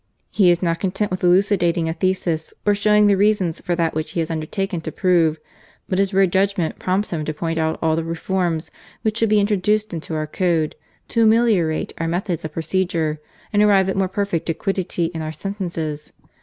He IS not content with elucidating a thesis, or showing the reasons for that which he has undertaken to prove ; but his rare judgment prompts him to point out all the reforms which should be introduced into our Code to ameliorate our methods of procedure, and arrive at more perfect equity in our sentences.